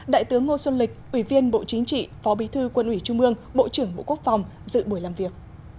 đại tướng ngô xuân lịch ủy viên bộ chính trị phó bí thư quân ủy trung ương bộ trưởng bộ quốc phòng dự buổi làm việc